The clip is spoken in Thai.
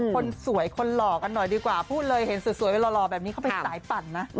คนสวยคนหล่อกันหน่อยดีกว่าพูดเลยเห็นสวยหล่อแบบนี้เขาเป็นสายปั่นนะ